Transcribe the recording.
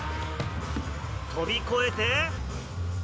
跳び越えて。